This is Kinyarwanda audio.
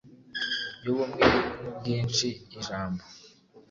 yubumwe n’ubwinshi. Ijambo